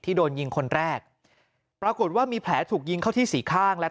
โดนยิงคนแรกปรากฏว่ามีแผลถูกยิงเข้าที่สี่ข้างและ